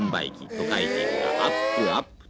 都会人がアップアップと」